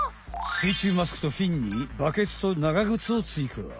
水中マスクとフィンにバケツと長ぐつをついか。